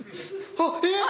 あっえっ？